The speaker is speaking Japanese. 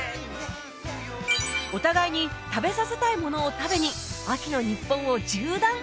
お互いに食べさせたいものを食べに秋の日本を縦断！